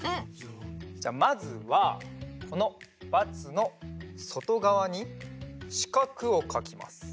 まずはこのバツのそとがわにしかくをかきます。